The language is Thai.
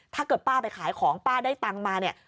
ถ้าเกิดปลาไปขายของปลาได้ตังมา